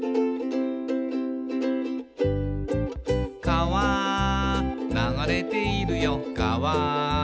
「かわ流れているよかわ」